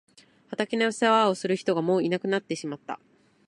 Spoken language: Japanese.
畑の世話をする人がもういなくなってしまった。